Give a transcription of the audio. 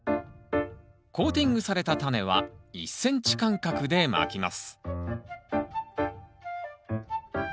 コーティングされたタネは１ｃｍ間隔でまきます